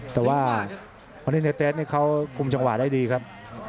แต่ว่าวันนี้เนเตสนี่เขาคุมจังหวะได้ดีครับ